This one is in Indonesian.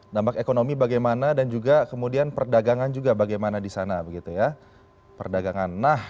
dampak ekonomi bagaimana dan juga kemudian perdagangan juga bagaimana di sana